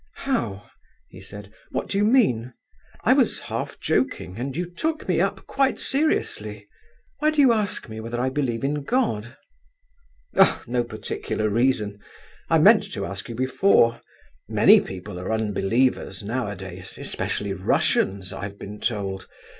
"How?" he said. "What do you mean? I was half joking, and you took me up quite seriously! Why do you ask me whether I believe in God?" "Oh, no particular reason. I meant to ask you before—many people are unbelievers nowadays, especially Russians, I have been told.